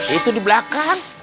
itu di belakang